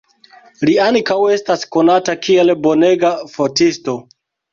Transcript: Li ankaŭ estas konata kiel bonega fotisto.